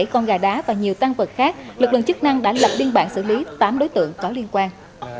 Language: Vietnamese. bảy con gà đá và nhiều tăng vật khác lực lượng chức năng đã lập biên bản xử lý tám đối tượng có liên quan